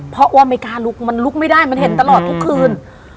เพราะว่าไม่กล้าลุกมันลุกไม่ได้มันเห็นตลอดทุกคืน